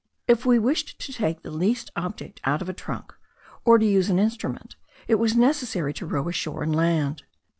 If we wished to take the least object out of a trunk, or to use an instrument, it was necessary to row ashore and land.